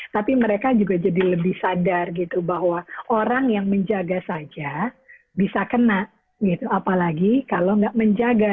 tapi mereka juga jadi lebih sadar gitu bahwa orang yang menjaga saja bisa kena gitu apalagi kalau nggak menjaga